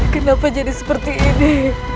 kenapa jadi seperti ini